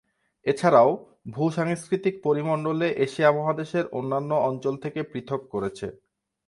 এছাড়াও, ভূ-সাংস্কৃতিক পরিমণ্ডলে এশিয়া মহাদেশের অন্যান্য অঞ্চল থেকে পৃথক করেছে।